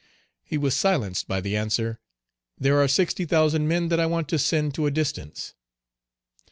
He was silenced by the answer, "There are sixty thousand men that I want to send to a distance."